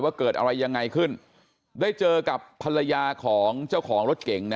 เกิดอะไรยังไงขึ้นได้เจอกับภรรยาของเจ้าของรถเก่งนะ